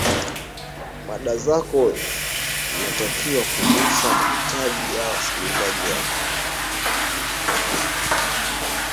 mada zako zinatakiwa kugusa mahitaji ya wasikilizaji wako